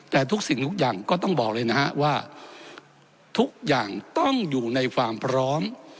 แต่ทุกสิ่งทุกอย่างก็ต้องบอกเลยนะฮะว่าทุกอย่างต้องอยู่ในความพร้อม